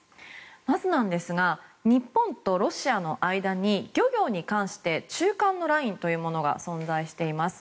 まず、日本とロシアの間に漁業に関して中間のラインというものが存在しています。